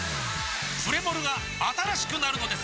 プレモルが新しくなるのです！